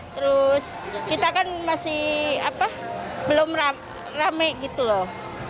terus kita kan masih belum rame gitu loh